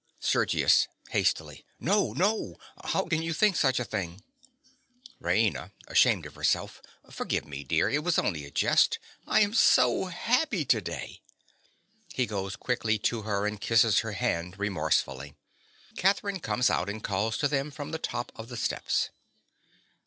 SERGIUS. (hastily). No, no. How can you think such a thing? RAINA. (ashamed of herself). Forgive me, dear: it was only a jest. I am so happy to day. (_He goes quickly to her, and kisses her hand remorsefully. Catherine comes out and calls to them from the top of the steps.